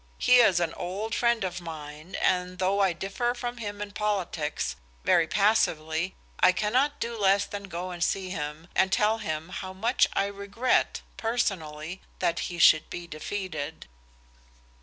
He is an old friend of mine, and though I differ from him in politics, very passively, I cannot do less than go and see him, and tell him how much I regret, personally, that he should be defeated."